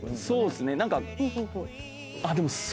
そうですね何かでも。